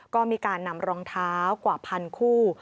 ก็มีการนำรองเท้ากว่าพันคู่